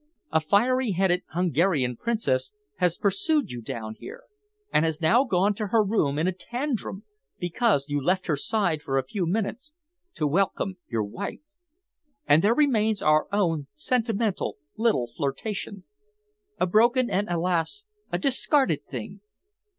A fiery headed Hungarian Princess has pursued you down here, and has now gone to her room in a tantrum because you left her side for a few minutes to welcome your wife. And there remains our own sentimental little flirtation, a broken and, alas, a discarded thing!